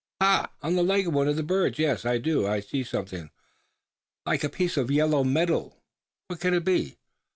"Ha! on the leg of one of the birds? Yes; I do see something like a piece of yellow metal what can it be?"